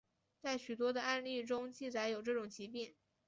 在许多的案例中记载有这种疾病。